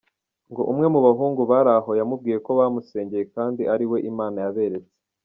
Ngo umwe mu bahungu bari aho yamubwiye ko bamusengeye kandi ko ariwe Imana yaberetse.